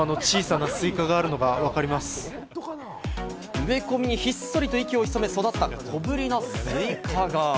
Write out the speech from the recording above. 植え込みにひっそりと息を潜め育った小ぶりなスイカが。